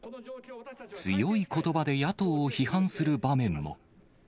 強いことばで野党を批判する場面も。